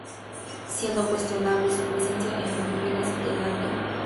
Siendo cuestionable su presencia en Filipinas y Tailandia.